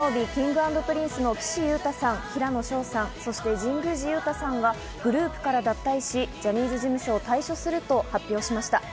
先週の金曜日、Ｋｉｎｇ＆Ｐｒｉｎｃｅの岸優太さん、平野紫耀さん、そして神宮寺勇太さんがグループから脱退し、ジャニーズ事務所を退所すると発表しました。